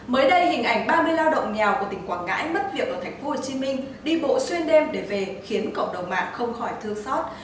mới đây hình ảnh ba mươi lao động nghèo của tỉnh quảng ngãi mất việc ở tp hcm đi bộ xuyên đêm để về khiến cộng đồng mạng không khỏi thư xót